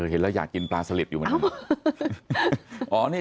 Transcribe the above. เห็นแล้วอยากกินปลาสลิดอยู่บนนี้